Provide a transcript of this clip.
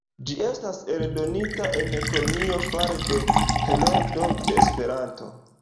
Ĝi estas eldonita en Kolonjo fare de Heroldo de Esperanto.